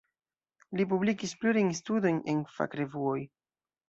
Li publikis plurajn studojn en fakrevuoj.